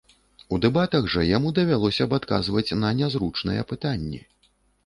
У дэбатах жа яму давялося б адказваць на нязручныя пытанні.